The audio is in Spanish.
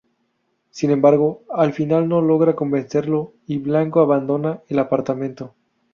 Sin embargo, al final no logra convencerlo y Blanco abandona el apartamento.